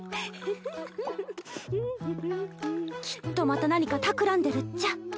きっとまた何かたくらんでるっちゃ